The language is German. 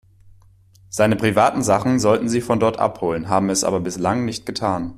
Seine privaten Sachen sollten sie von dort abholen, haben es aber bislang nicht getan.